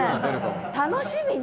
楽しみね。